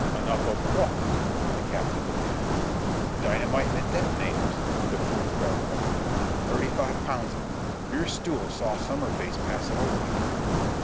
"Enough of what?" the Captain demanded. "Dynamite and detonators," the fool rattled on. "Thirty five pounds of it. Your stool saw Summerface pass it over to me."